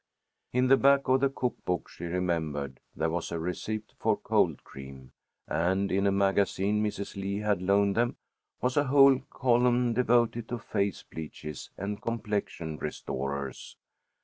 In the back of the cook book, she remembered, there was a receipt for cold cream, and in a magazine Mrs. Lee had loaned them was a whole column devoted to face bleaches and complexion restorers.